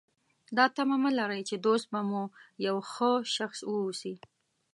دا تمه مه لرئ چې دوست مو یو ښه شخص واوسي.